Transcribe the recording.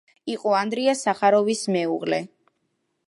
იყო ანდრია სახაროვის მეუღლე.